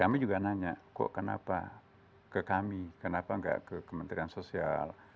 kami juga nanya kok kenapa ke kami kenapa nggak ke kementerian sosial